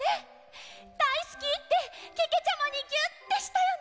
「だいすき」ってけけちゃまにギュってしたよね！